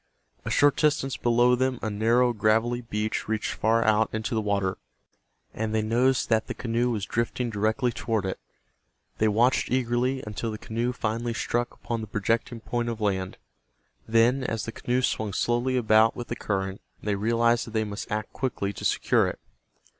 A short distance below them a narrow gravelly beach reached far out into the water, and they noticed that the canoe was drifting directly toward it. They watched eagerly until the canoe finally struck upon the projecting point of land. Then, as the canoe swung slowly about with the current, they realized that they must act quickly to secure it.